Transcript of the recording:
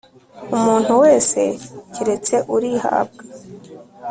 umuntu wese keretse urihabwa.